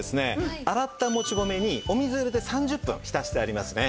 洗ったもち米にお水を入れて３０分浸してありますね。